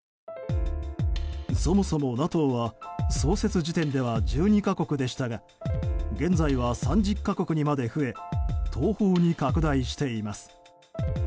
そもそもＮＡＴＯは創設時点では１２か国でしたが現在は３０か国にまで増え東方に拡大しています。